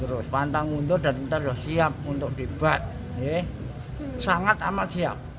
keduanya mengikuti debat terbuka pada enam november mendatang